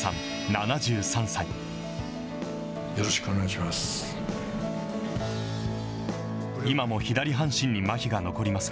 よろしくお願いします。